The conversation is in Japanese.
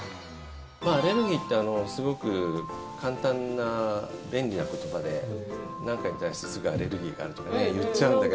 アレルギーってすごく簡単な、便利な言葉で何かに対してすぐアレルギーがあるとか言っちゃうんだけど。